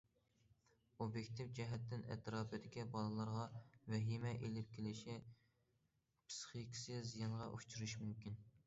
ئوبيېكتىپ جەھەتتىن ئەتراپىدىكى بالىلارغا ۋەھىمە ئېلىپ كېلىشى، پىسخىكىسى زىيانغا ئۇچرىشى مۇمكىن.